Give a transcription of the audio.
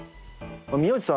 宮内さん